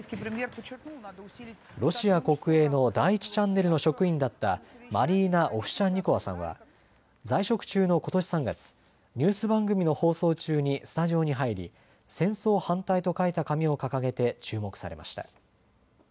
ロシア国営の第１チャンネルの職員だったマリーナ・オフシャンニコワさんは、在職中のことし３月、ニュース番組の放送中にスタジオに入り戦争反対と書いた紙を掲げて注目されました。